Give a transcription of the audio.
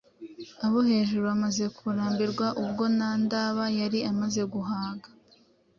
abo hejuru bamaze kurambirwa ubwo na Ndaba yari amaze guhaga,